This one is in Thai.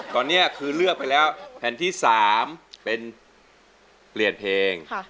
ตอนนี้คือเลือกไปแล้วแผ่นที่๓เป็นเปลี่ยนเพลง